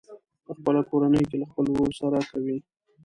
په خپله کورنۍ کې له خپل ورور سره کوي.